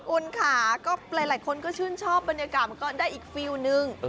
คุณค่ะก็หลายคนก็ชื่นชอบบรรยากาศมันก็ได้อีกฟิลนึง